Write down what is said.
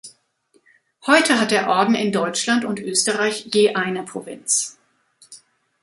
Heute hat der Orden in Deutschland und Österreich je eine Provinz.